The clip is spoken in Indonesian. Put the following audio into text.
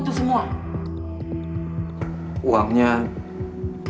pasti kamu pakai buat uang pribadi kamu ya kan